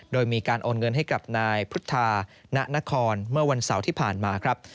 โดยมีการโอนเงินให้กับนายพุทธาณนครเมื่อวันเสาร์ที่ผ่านมาครับ